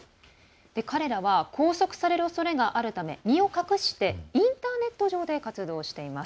彼らは拘束されるおそれがあるため身を隠してインターネット上で活動しています。